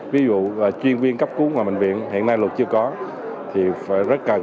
ví dụ chuyên viên cấp cứu ngoại viện hiện nay luật chưa có thì phải rất cần